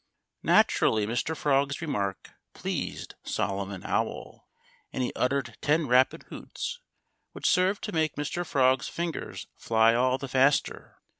Naturally, Mr. Frog's remark pleased Solomon Owl. And he uttered ten rapid hoots, which served to make Mr. Frog's fingers fly all the faster.